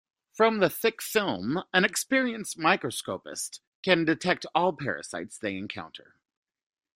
From the thick film, an experienced microscopist can detect all parasites they encounter.